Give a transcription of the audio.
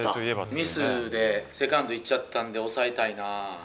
ミスでセカンド行っちゃったんで、抑えたいなあ。